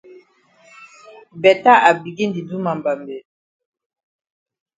Beta I begin di do ma mbambe.